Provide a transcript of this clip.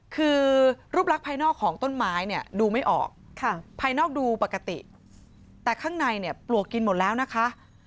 คือรูปลักษณ์ภายนอกของต้นไม้เนี่ยดูไม่ออกภายนอกดูปกติแต่ข้างในเนี่ยปลวกกินหมดแล้วนะคะ